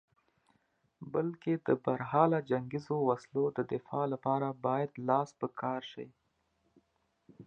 بلکې د برحاله جنګیزو وسلو د دفاع لپاره باید لاس په کار شې.